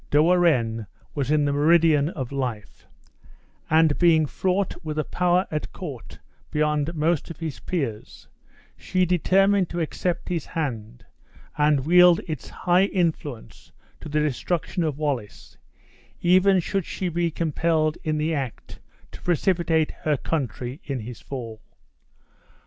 De Warenne was in the meridian of life; and being fraught with a power at court beyond most of his peers, she determined to accept his hand and wield its high influence to the destruction of Wallace, even should she be compelled in the act to precipitate her country in his fall.